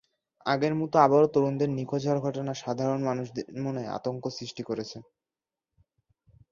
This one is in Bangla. আগের মতো আবারও তরুণদের নিখোঁজ হওয়ার ঘটনা সাধারণ মানুষের মনে আতঙ্ক সৃষ্টি করেছে।